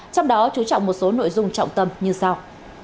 trong đó chú trọng một số nội dung trọng tâm như sau